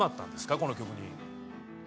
この曲に。